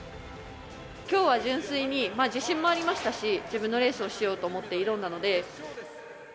きょうは純粋に自信もありましたし、自分のレースをしようと思って挑んだので。